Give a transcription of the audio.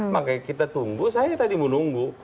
makanya kita tunggu saya tadi mau nunggu